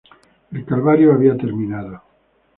El calvario había terminado.